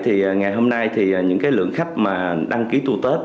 thì ngày hôm nay thì những cái lượng khách mà đăng ký tour tết